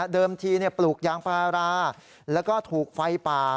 ทีปลูกยางพาราแล้วก็ถูกไฟป่า